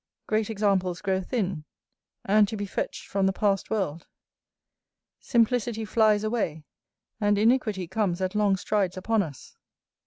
Great examples grow thin, and to be fetched from the passed world. Simplicity flies away, and iniquity comes at long strides upon us.